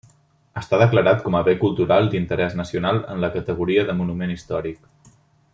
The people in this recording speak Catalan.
Està declarat com a bé cultural d'interès nacional en la categoria de monument històric.